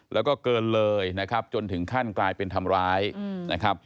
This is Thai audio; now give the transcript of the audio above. แล้วก็เกินเลยนะครับจนถึงขั้นกลายเป็นทำร้ายนะครับ